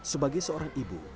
sebagai seorang ibu